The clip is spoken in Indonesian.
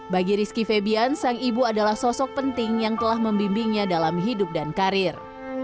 bagi rizky febian sang ibu adalah sosok penting yang telah membimbingnya dalam hidup dan karir